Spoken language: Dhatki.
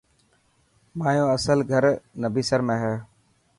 مايو اصل گھر نبصر ۾ هي.